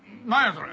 それ。